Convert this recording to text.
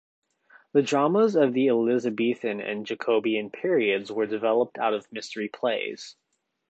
The dramas of the Elizabethan and Jacobean periods were developed out of mystery plays.